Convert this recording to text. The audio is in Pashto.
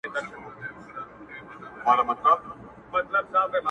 o لمر په دوو گوتو نه پټېږي!